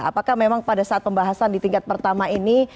apakah memang pada saat pembahasan di tingkat pertama ini